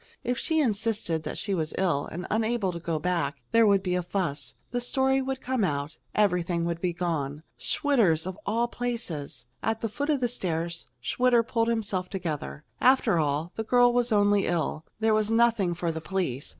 If she insisted that she was ill and unable to go back, there would be a fuss. The story would come out. Everything would be gone. Schwitter's, of all places! At the foot of the stairs, Schwitter pulled himself together. After all, the girl was only ill. There was nothing for the police.